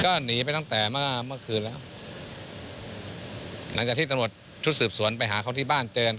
ก็หนีไปตั้งแต่เมื่อเมื่อคืนแล้วหลังจากที่ตำรวจชุดสืบสวนไปหาเขาที่บ้านเตือน